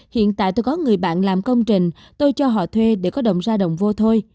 hiện tại tôi có người bạn làm công trình tôi cho họ thuê để có động ra đồng vô thôi